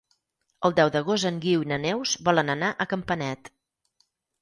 El deu d'agost en Guiu i na Neus volen anar a Campanet.